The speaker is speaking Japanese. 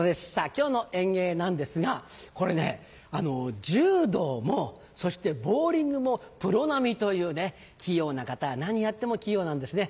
今日の演芸なんですがこれね柔道もそしてボウリングもプロ並みという器用な方は何やっても器用なんですね。